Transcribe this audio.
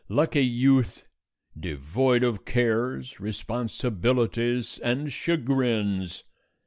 Lucky youth, devoid of cares, responsibilities, and chagrins!